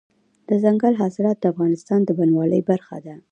دځنګل حاصلات د افغانستان د بڼوالۍ برخه ده.